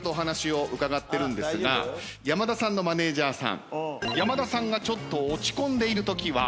山田さんのマネージャーさん。